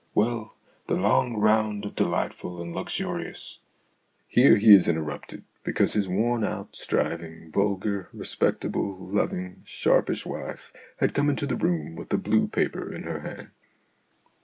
Well, the long round of delightful and luxurious " Here he is interrupted, because his worn out, striving, vulgar, respectable, loving, sharpish wife THE AUTOBIOGRAPHY OF AN IDEA 47 had come into the room with a blue paper in her hand.